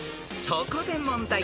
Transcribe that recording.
［そこで問題］